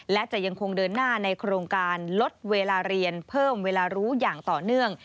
และจะยังคงเดินหน้าในโครงการลดเวลาเรียนเพิ่มเวลารู้อย่างต่อเนื่อง